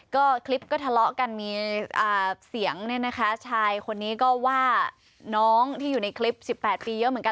ก็คลิปก็ทะเลาะกันมีเสียงเนี่ยนะคะชายคนนี้ก็ว่าน้องที่อยู่ในคลิป๑๘ปีเยอะเหมือนกัน